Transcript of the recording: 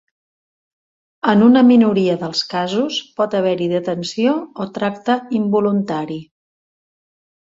En una minoria dels casos pot haver-hi detenció o tracte involuntari.